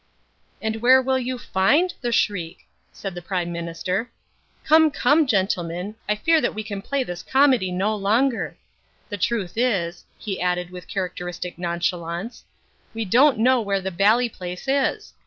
"And where will you find the Shriek?" said the Prime Minister. "Come, come, gentlemen, I fear that we can play this comedy no longer. The truth is," he added with characteristic nonchalance, "we don't know where the bally place is.